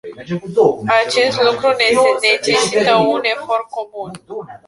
Acest lucru necesită un efort comun.